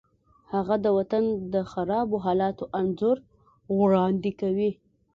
هغه د وطن د خرابو حالاتو انځور وړاندې کوي